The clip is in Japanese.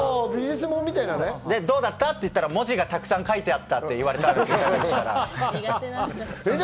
どうだった？って言ったら、文字がたくさん書いてあったって言われたんで。